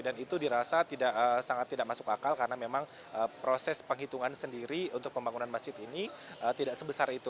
dan itu dirasa sangat tidak masuk akal karena memang proses penghitungan sendiri untuk pembangunan masjid ini tidak sebesar itu